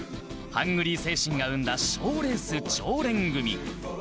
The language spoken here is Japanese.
ハングリー精神が生んだ賞レース常連組